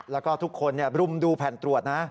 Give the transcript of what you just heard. แล้วก็ทุกคนรุมดูแผ่นตรวจนะ